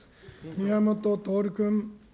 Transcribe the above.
宮本徹君。